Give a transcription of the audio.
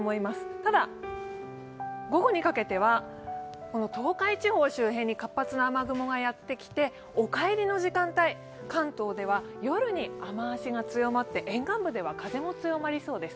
ただ、午後にかけては東海地方周辺に活発な雨雲がやってきてお帰りの時間帯、関東では夜に雨足が強まって沿岸部では風も強まりそうです。